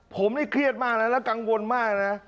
ผมนี่เครียดมากนะแล้วกังวลมากนะ